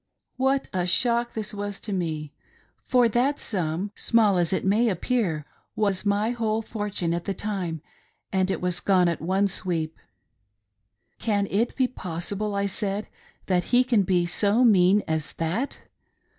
What a shock this was to me ; for that sum, small as it may appear, was my whole fortune at the time, and it was gone at one sweep !" Can it be possible," I said, " that he can be so mean as that